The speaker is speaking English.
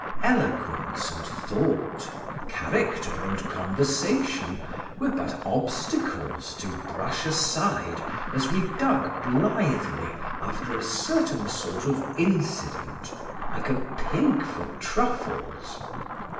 Eloquence and thought, character and conversation, were but obstacles to brush aside as we dug blithely after a certain sort of incident, like a pig for truffles.